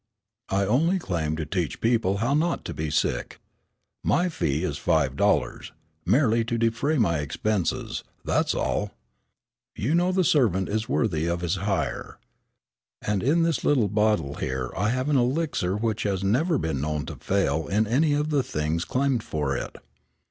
I only claim to teach people how not to be sick. My fee is five dollars, merely to defray my expenses, that's all. You know the servant is worthy of his hire. And in this little bottle here I have an elixir which has never been known to fail in any of the things claimed for it.